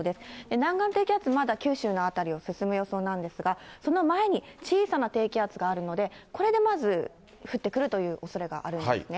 南岸低気圧、まだ九州の辺りを進む予想なんですが、その前に小さな低気圧があるので、これでまず降ってくるというおそれがあるんですね。